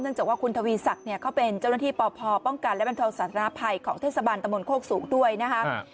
ซึ่งจากว่าคุณทวีสักฯเขาเป็นเจ้าหน้าที่ป่อป้องกันและบรรเทาสถานภัยของเทศบาลตะมนต์โครกศูนย์ด้วยนะครับ